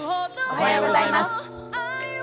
おはようございます。